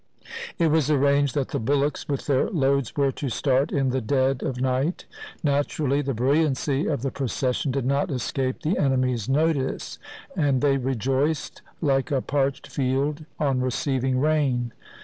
It was arranged that the bullocks with their loads were to start in the dead of night. Naturally, the brilliancy of the procession did not escape the enemy's notice, and they rejoiced like a parched field on receiving rain.